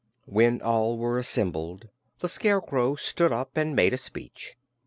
When all were assembled, the Scarecrow stood up and made a speech.